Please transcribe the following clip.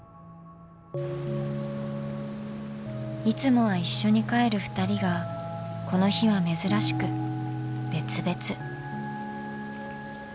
いつもは一緒に帰るふたりがこの日は珍しく別々。